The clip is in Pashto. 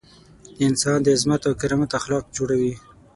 د انسان د عظمت او کرامت اخلاق جوړوي.